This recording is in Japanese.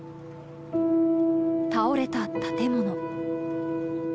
倒れた建物。